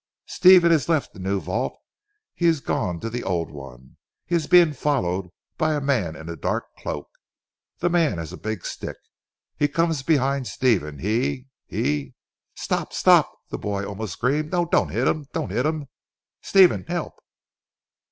Stephen has left the new vault; he has gone to the old one. He is being followed, by a man in a dark cloak. The man has a big stick. He comes behind Stephen he he stop! stop!" the boy almost screamed. "No! don't hit him! Do not hit him. Stephen! Help."